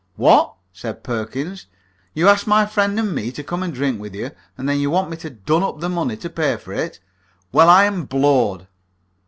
"What?" said Perkins. "You ask my friend and me to come and drink with you, and then want me to dun him for the money to pay for it. Well, I am blowed!"